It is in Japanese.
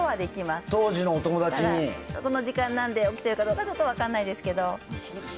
ただ、この時間なので起きているかどうかは分からないんですけど。